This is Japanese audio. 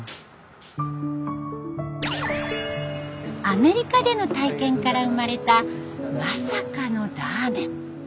アメリカでの体験から生まれた「まさか！」のラーメン。